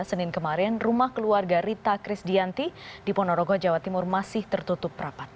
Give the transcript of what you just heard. senin kemarin rumah keluarga rita krisdianti di ponorogo jawa timur masih tertutup rapat